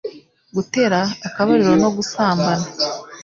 gutera akabariro no gusambana